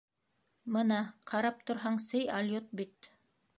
Мына: ҡарап торһаң, сей алйот бит.